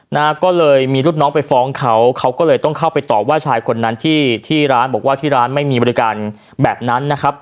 นะฮะก็เลยมีลูกน้องไปฟ้องเขาเขาก็เลยต้องเข้าไปตอบว่าชายคนนั้นที่ที่ร้านบอกว่าที่ร้านไม่มีบริการแบบนั้นนะครับ